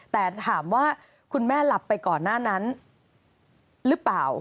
แต่ถามว่าคุณแม่หลับไปก่อนหน้านั้นหรือเปล่า